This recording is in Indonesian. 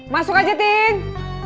masuk aja ting